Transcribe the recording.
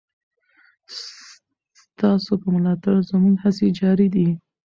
ستاسو په ملاتړ زموږ هڅې جاري دي.